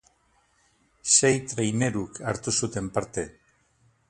Sei traineruk hartu zuten parte.